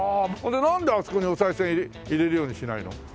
なんであそこにお賽銭入れるようにしないの？